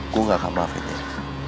gue nggak akan maafin dia